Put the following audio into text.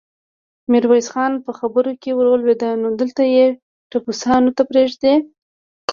ميرويس خان په خبره کې ور ولوېد: نو دلته يې ټپوسانو ته پرېږدې؟